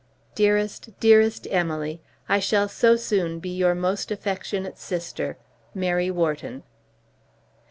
Dearest, dearest Emily, I shall so soon be your most affectionate sister, MARY WHARTON.